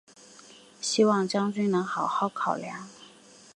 希望将军能好好考量！